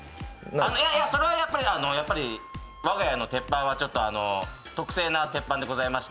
いやいや、それはやっぱりわが家の鉄板は特製の鉄板でございまして。